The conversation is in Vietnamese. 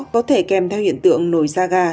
có thể kèm theo hiện tượng nổi da ga